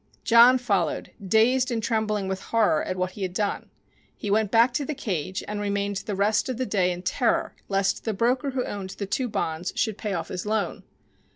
John followed, dazed and trembling with horror at what he had done. He went back to the cage and remained the rest of the day in terror lest the broker who owned the two bonds should pay off his loan.